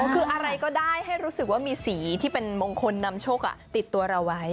คืออะไรก็ได้ให้รู้สึกว่ามีสีที่เป็นมงคลนำโชคติดตัวเราไว้